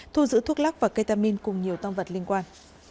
thu giữ thuốc lắc và ketamine cùng nhiều toàn vật liên quan